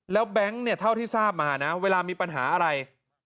แล้วแบงค์เนี่ยเท่าที่ทราบมานะเวลามีปัญหาอะไร